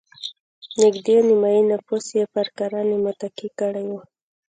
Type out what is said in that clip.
نږدې نیمايي نفوس یې پر کرنې متکي کړی و.